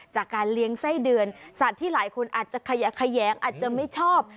จากการเลี้ยงไส้เดือนสัตว์ที่หลายคนอาจจะแขยงอาจจะไม่ชอบ